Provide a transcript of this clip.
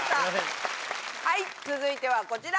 はい続いてはこちら！